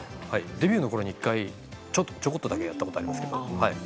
デビューのころに１回ちょこっとだけやったことがあります。